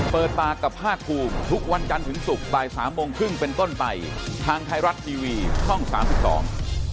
เปิดปากกับภาคภูมิทุกวันจันทร์ถึงศุกร์บ่ายสามโมงครึ่งเป็นต้นไปทางไทยรัฐทีวีช่องสามสิบสอง